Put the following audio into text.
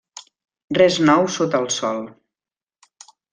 Res nou sota el sol.